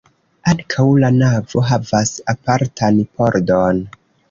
Ankaŭ la navo havas apartan pordon.